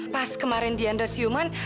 pas kemarin diandra siuman